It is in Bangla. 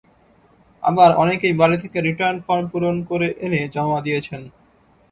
আবার অনেকেই বাড়ি থেকে রিটার্ন ফরম পূরণ করে এনে জমা দিয়েছেন।